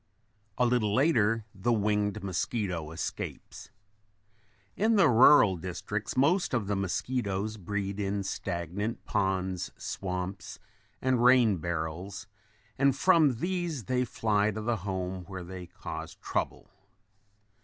A little later the winged mosquito escapes. In the rural districts most of the mosquitoes breed in stagnant ponds, swamps and rain barrels and from these they fly to the home where they cause trouble.